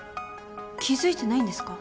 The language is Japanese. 気付いてないんですか？